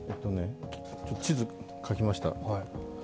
地図を描きました。